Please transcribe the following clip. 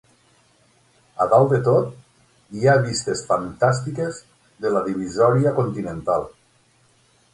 A dalt de tot, hi ha vistes fantàstiques de la divisòria continental.